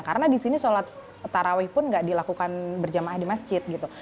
karena di sini sholat tarawih pun nggak dilakukan berjamaah di masjid gitu